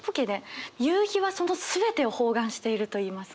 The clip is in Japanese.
夕日はその全てを包含しているといいますか。